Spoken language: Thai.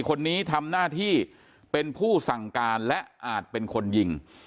คนนี้ทำหน้าที่เป็นผู้สั่งการและอาจเป็นคนยิง